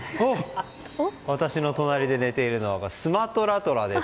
私の隣で寝ているのはスマトラトラです。